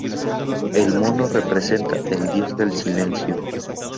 El mono representa el dios del silencio.